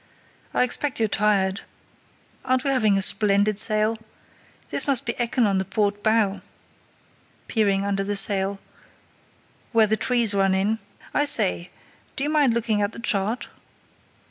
"I expect you're tired. Aren't we having a splendid sail? That must be Ekken on the port bow," peering under the sail, "where the trees run in. I say, do you mind looking at the chart?"